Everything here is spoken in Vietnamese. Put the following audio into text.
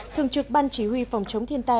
thường trực ban chỉ huy phòng chống thiên tai